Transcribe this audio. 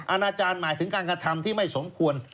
อาณาจารย์หมายถึงการกระทำที่ไม่สมควร